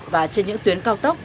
và trên những tuyến cao tốc